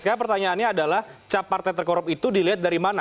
sekarang pertanyaannya adalah cap partai terkorup itu dilihat dari mana